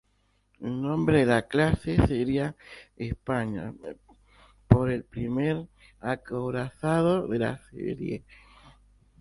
El nombre de la clase sería "España", por el primer acorazado de la serie.